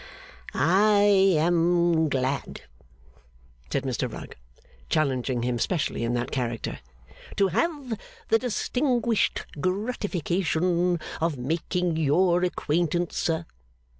'I am glad,' said Mr Rugg, challenging him specially in that character, 'to have the distinguished gratification of making your acquaintance, sir.